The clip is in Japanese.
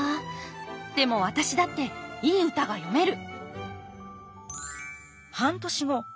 でも私だっていい歌が詠める。